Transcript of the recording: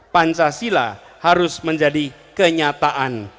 pancasila harus menjadi kenyataan